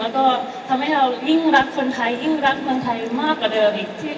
แล้วก็ทำให้เรายิ่งรักคนไทยยิ่งรักเมืองไทยมากกว่าเดิมอีก